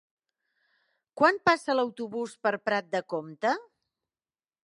Quan passa l'autobús per Prat de Comte?